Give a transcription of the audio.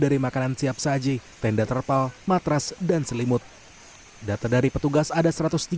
dari makanan siap saji tenda terpal matras dan selimut data dari petugas ada satu ratus tiga puluh